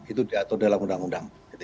itu di atur dalam undang undang